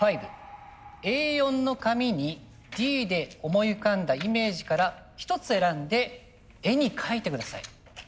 「Ａ４の紙に『Ｄ』で思い浮かんだイメージからひとつ選んで絵に描いてください」。